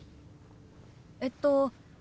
えっと。